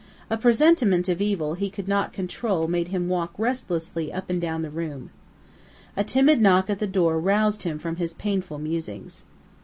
A presentiment of evil he could not control made him walk restlessly up and down the room. A timid knock at the door roused him from his painful musings.